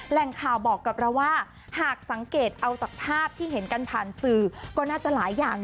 แหล่งข่าวบอกกับเราว่าหากสังเกตเอาจากภาพที่เห็นกันผ่านสื่อก็น่าจะหลายอย่าง